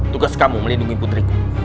tugas kamu melindungi putriku